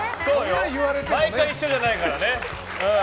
毎回一緒じゃないからね。